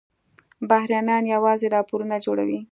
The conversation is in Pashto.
بهرنیان یوازې راپورونه جوړوي.